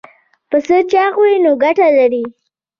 پسه چاغ وي نو ګټه لري.